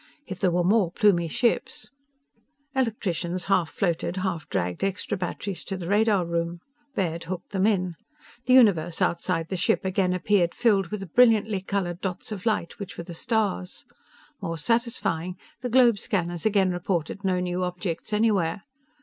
If there were more Plumie ships ...Electricians half floated, half dragged extra batteries to the radar room. Baird hooked them in. The universe outside the ship again appeared filled with brilliantly colored dots of light which were stars. More satisfying, the globe scanners again reported no new objects anywhere.